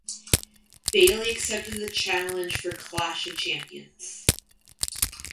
Bayley accepted the challenge for Clash of Champions.